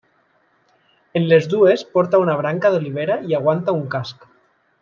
En les dues porta una branca d'olivera i aguanta un casc.